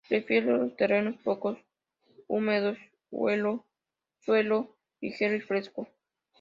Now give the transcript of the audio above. Prefiere los terrenos poco húmedos, suelo ligero y fresco.